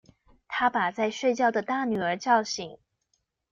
她把在睡覺的大女兒叫醒